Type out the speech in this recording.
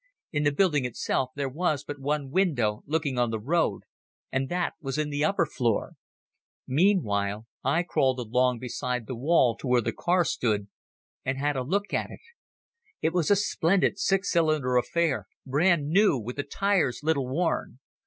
In the building itself there was but one window looking on the road, and that was in the upper floor. Meantime I crawled along beside the wall to where the car stood, and had a look at it. It was a splendid six cylinder affair, brand new, with the tyres little worn.